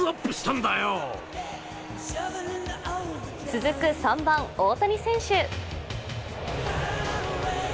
続く３番・大谷選手。